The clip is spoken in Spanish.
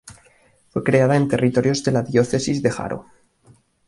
Fue creada en territorios de la diócesis de Jaro.